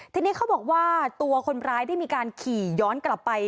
ทีนี้เขาบอกว่าตัวคนร้ายได้มีการขี่ย้อนกลับไป